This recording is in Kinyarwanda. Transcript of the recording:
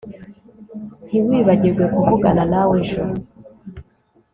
Ntiwibagirwe kuvugana nawe ejo